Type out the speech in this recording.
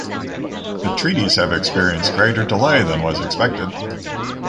The treaties have experienced greater delay than was expected.